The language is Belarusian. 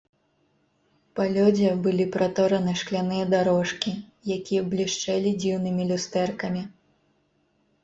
Па лёдзе былі пратораны шкляныя дарожкі, якія блішчэлі дзіўнымі люстэркамі.